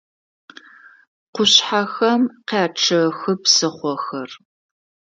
Къушъхьэхэм къячъэхы псыхъохэр.